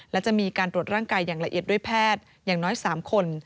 และจะมีการตรวจร่างกายอย่างละเอียดด้วยแพทย์อย่างน้อย๓คน